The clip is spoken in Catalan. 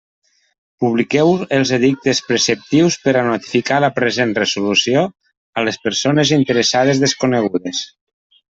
Publiqueu els edictes preceptius per a notificar la present resolució a les persones interessades desconegudes.